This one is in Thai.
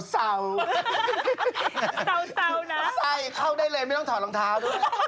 ดีเซสาวสาวนะใส่เข้าได้เลยไม่ต้องถอดรองเท้าด้วย